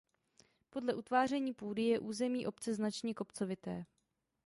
Podle utváření půdy je území obce značně kopcovité.